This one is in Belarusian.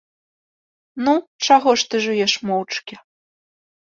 Ну, чаго ж ты жуеш моўчкі?!